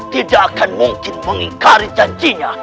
tidak akan mungkin mengingkari janjinya